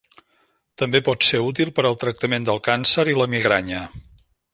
També pot ser útil per al tractament del càncer i la migranya.